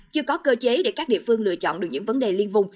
chưa có cơ chế để các địa phương lựa chọn được những vấn đề liên vùng